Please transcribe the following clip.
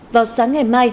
vào sáng ngày mai